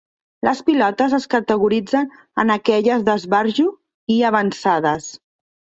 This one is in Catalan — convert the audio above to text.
Les pilotes es categoritzen en aquelles d'esbarjo, i avançades.